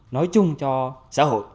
nói chung cho xã hội